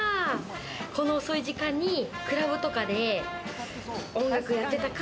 この遅い時間にクラブとかで音楽やってたか。